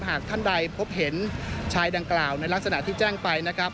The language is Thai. หากท่านใดพบเห็นชายดังกล่าวในลักษณะที่แจ้งไปนะครับ